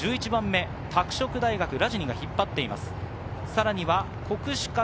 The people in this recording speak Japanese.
拓殖大学はラジニが引っ張っています。